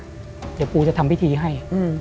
เดี๋ยวปูจะทำพิธีให้